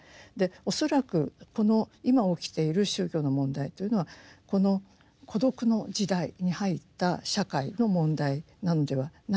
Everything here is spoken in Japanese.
恐らくこの今起きている宗教の問題というのはこの孤独の時代に入った社会の問題なのではないかと思うんです。